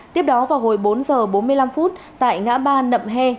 tiếp đó vào hồi bốn giờ bốn mươi năm phút tại ngã ba nậm hẹn